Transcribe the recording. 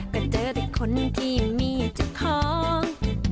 ก็เจอแต่คนที่มีเจ้าของ